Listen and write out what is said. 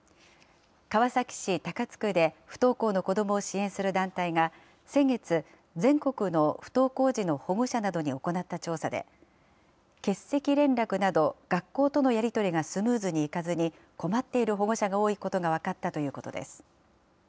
川崎市高津区で不登校の子どもを支援する団体が、先月、全国の不登校児の保護者などに行った調査で、欠席連絡など、学校とのやり取りがスムーズにいかずに困っている保護者が多いことが分かったということです。